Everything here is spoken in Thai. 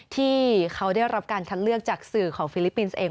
ที่เขาได้รับการคัดเลือกจากสื่อของฟิลิปปินส์เอง